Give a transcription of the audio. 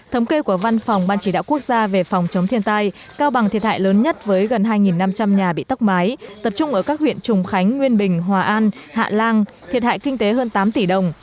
thống kê của văn phòng ban chỉ đạo quốc gia về phòng chống thiên tai cao bằng thiệt hại lớn nhất với gần hai năm trăm linh nhà bị tốc mái tập trung ở các huyện trùng khánh nguyên bình hòa an hạ lan thiệt hại kinh tế hơn tám tỷ đồng